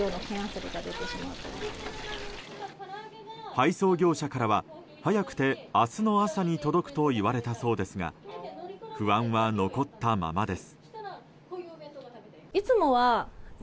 配送業者からは早くて明日の朝に届くと言われたそうですが不安は残ったままです。